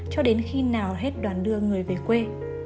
cho đến khi nào hết đoàn đưa người về quê